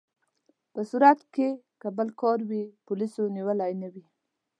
صورت کې که بل کار وي، پولیسو نیولي نه وي.